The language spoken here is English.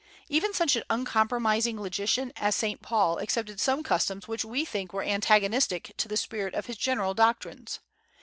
Even such an uncompromising logician as Saint Paul accepted some customs which we think were antagonistic to the spirit of his general doctrines.